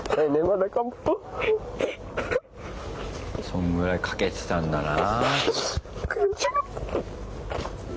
そんぐらいかけてたんだな。